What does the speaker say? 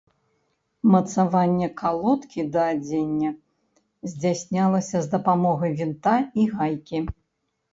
Мацаванне калодкі да адзення здзяйснялася з дапамогай вінта і гайкі.